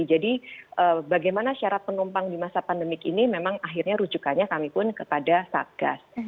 jadi bagaimana syarat penumpang di masa pandemik ini memang akhirnya rujukannya kami pun kepada satgas